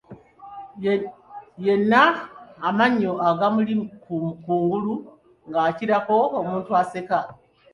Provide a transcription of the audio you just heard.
Yenna amannyo gaamuli ku ngulu ng'akirako omuntu aseka.